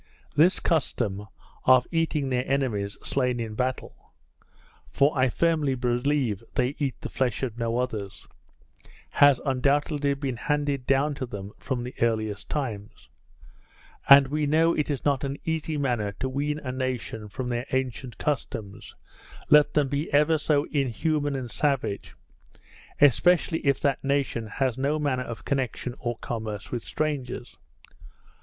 This custom of eating their enemies slain in battle (for I firmly believe they eat the flesh of no others) has undoubtedly been handed down to them from the earliest times; and we know it is not an easy matter to wean a nation from their ancient customs, let them be ever so inhuman and savage; especially if that nation has no manner of connexion or commerce with strangers.